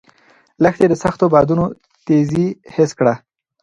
لښتې د سختو بادونو تېزي حس کړه.